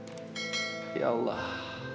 berikan reva kekuatan ya allah